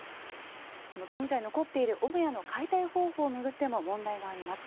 この現在残っている母屋の解体方法を巡っても問題があります。